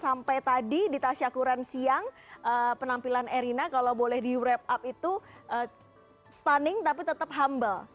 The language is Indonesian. sampai tadi di tasyakuran siang penampilan erina kalau boleh di wrap up itu stunning tapi tetap humble